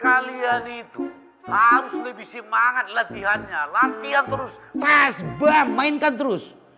kalian itu harus lebih semangat latihannya latihan terus tes bum mainkan terus